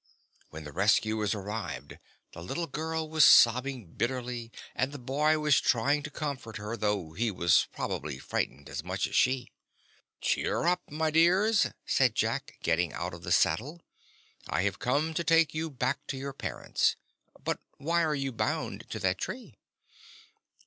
When the rescuers arrived, the little girl was sobbing bitterly and the boy was trying to comfort her, though he was probably frightened as much as she. "Cheer up, my dears," said Jack, getting out of the saddle. "I have come to take you back to your parents. But why are you bound to that tree?"